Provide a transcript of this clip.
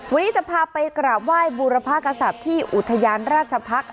วันนี้จะพาไปกราบไหว้บูรพากษัตริย์ที่อุทยานราชพักษ์